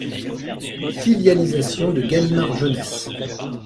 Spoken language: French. Filialisation de Gallimard Jeunesse.